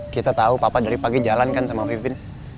kita tahu papa dari pagi jalan kan sama pipin